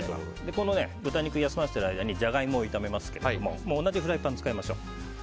豚肉を休ませている間にジャガイモを炒めますけど同じフライパンを使いましょう。